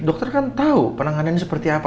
dokter kan tau penanganan ini seperti apa